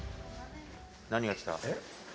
何がきた？